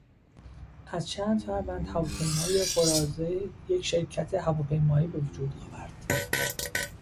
از چند فروند هواپیمای قراضه یک شرکت هواپیمایی عمده به وجود آورد.